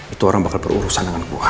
itu orang bakal berurusan dengan keluarga